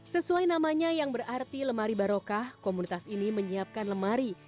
sesuai namanya yang berarti lemari barokah komunitas ini menyiapkan lemari